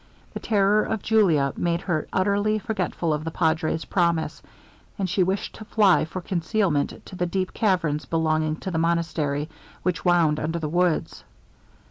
The terror of Julia made her utterly forgetful of the Padre's promise, and she wished to fly for concealment to the deep caverns belonging to the monastery, which wound under the woods.